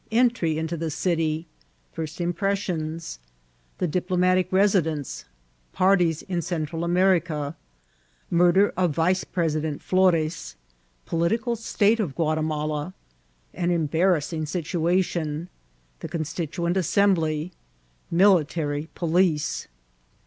— Entry into the City.— First Impressions.— The Dipkmiatic Residenee.— Patties in Central America.— Murder of Yioe piesident Fknes.— Political SUto of Gnatimahu— An enybanasHic Sitoation. —The Constituent Assembly.— Military Police.